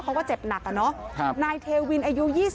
เขาก็เจ็บหนักอะเนาะนายเทวินอายุ๒๐